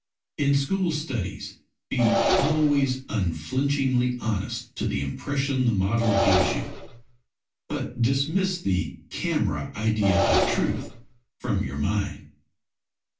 In school studies be always unflinchingly honest to the impression the model gives you, but dismiss the camera idea of truth from your mind.